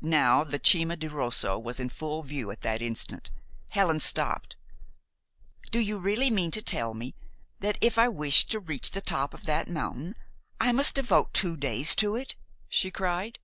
Now, the Cima di Rosso was in full view at that instant. Helen stopped. "Do you really mean to tell me that if I wish to reach the top of that mountain, I must devote two days to it?" she cried.